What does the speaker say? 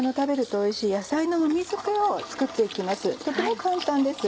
とても簡単です。